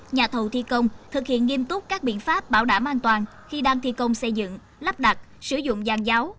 nhà thầu thi công thực hiện nghiêm túc các biện pháp bảo đảm an toàn khi đang thi công xây dựng lắp đặt sử dụng giàn giáo